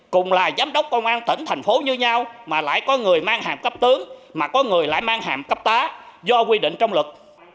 cùng là giám đốc công an tỉnh thành phố như nhau mà lại có người mang hàm cấp tướng mà có người lại mang hàm cấp tá do quy định trong luật